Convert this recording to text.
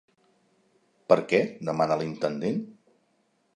Per què? —demana l'intendent.